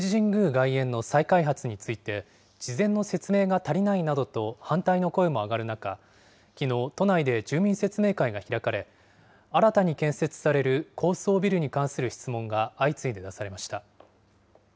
外苑の再開発について、事前の説明が足りないなどと反対の声も上がる中、きのう、都内で住民説明会が開かれ、新たに建設される高層ビルに関する質問が相次いで出されました。